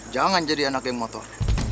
jangan jadi anak geng motor